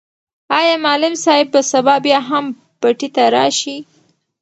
آیا معلم صاحب به سبا بیا هم پټي ته راشي؟